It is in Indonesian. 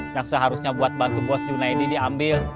yang seharusnya buat bantu bos juna ini diambil